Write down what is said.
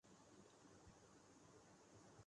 corona virus کی وبا کے دوران